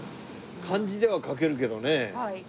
漢字では書けるけどね。